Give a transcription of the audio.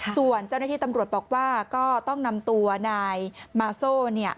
ส่วนเจ้าหน้าที่ตำรวจบอกว่าก็ต้องนำตัวนายมาโซ่